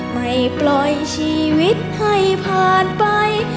ไม่ปล่อยชีวิตให้ผ่านไป